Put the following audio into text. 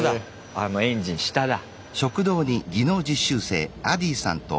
あのエンジン下だ。